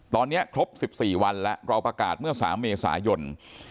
ตอนนี้ครบ๑๔วันแล้วเราประกาศเมื่อ๓เมษายน